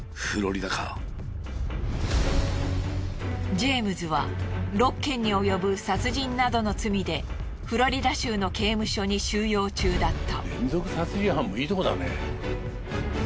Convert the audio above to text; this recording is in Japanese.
ジェームズは６件に及ぶ殺人などの罪でフロリダ州の刑務所に収容中だった。